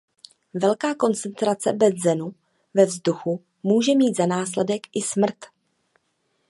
Velká koncentrace benzenu ve vzduchu může mít za následek i smrt.